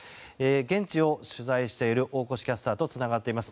現地を取材している大越キャスターとつながっています。